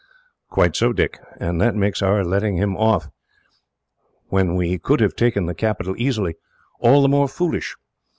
"Quite so, Dick, and that makes our letting him off, when we could have taken the capital easily, all the more foolish.